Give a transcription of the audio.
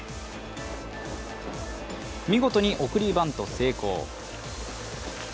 見事に送りバント成功。